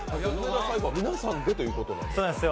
皆さんでということですか？